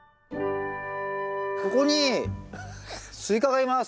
ここにスイカがいます。